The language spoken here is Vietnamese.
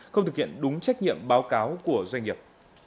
không thực hiện đúng trách nhiệm báo cáo của doanh nghiệp